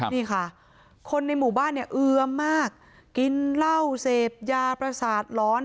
นี่ค่ะคนในหมู่บ้านเนี่ยเอือมมากกินเหล้าเสพยาประสาทร้อน